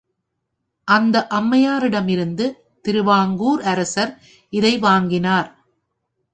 அந்த அம்மையாரிடமிருந்து திருவாங்கூர் அரசர் இதை வாங்கினார்.